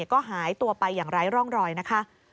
ก็หายตัวไปอย่างไร้ร่องรอยนะคะ